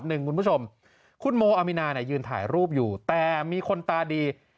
คุณผู้ชมคุณโมอามินายืนถ่ายรูปอยู่แต่มีคนตาดี